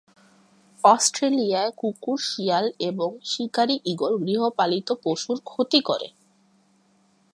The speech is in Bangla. অস্ট্রেলিয়ায় কুকুর, শিয়াল এবং শিকারি ঈগল গৃহপালিত পশুর ক্ষতি করে।